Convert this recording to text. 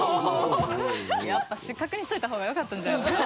やっぱ失格にしておいたほうがよかったんじゃないかな？